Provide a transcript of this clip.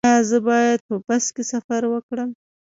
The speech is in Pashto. ایا زه باید په بس کې سفر وکړم؟